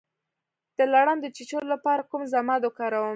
د لړم د چیچلو لپاره کوم ضماد وکاروم؟